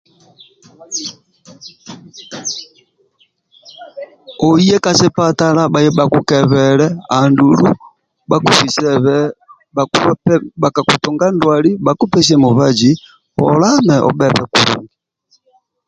Oye kasipatala bhaye bhaku kebhele adulu kabha taiga ndwali bhakupe mubazi olame nawe obhebe kulungi